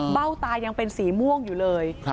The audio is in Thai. เบ้าตายังเป็นสีม่วงอยู่เลย